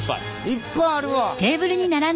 いっぱいあるわ！